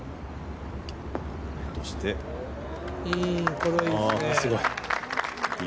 これはいいですね。